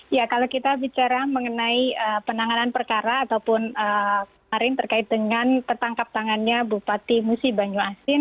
ya kalau kita bicara mengenai penanganan perkara ataupun hari ini terkait dengan tertangkap tangannya bupati musi banyuasin